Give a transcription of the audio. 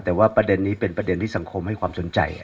แต่ว่าประเด็นนี้เป็นประเด็นที่สังคมให้ความสนใจ